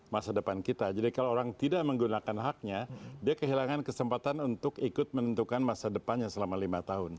masa depan kita jadi kalau orang tidak menggunakan haknya dia kehilangan kesempatan untuk ikut menentukan masa depannya selama lima tahun